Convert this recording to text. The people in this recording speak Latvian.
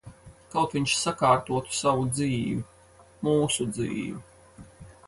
Kaut viņš sakārtotu savu dzīvi. Mūsu dzīvi.